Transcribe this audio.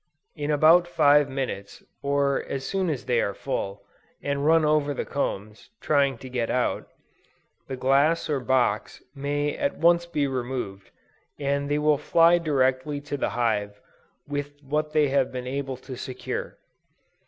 In about five minutes, or as soon as they are full, and run over the combs, trying to get out, the glass or box may at once be removed, and they will fly directly to the hive with what they have been able to secure.